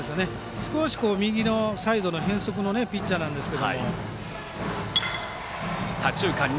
少し右のサイドの変則のピッチャーですが。